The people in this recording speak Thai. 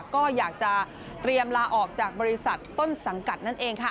ก็อยากจะเตรียมลาออกจากบริษัทต้นสังกัดนั่นเองค่ะ